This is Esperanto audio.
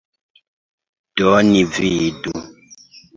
Do ni vidu.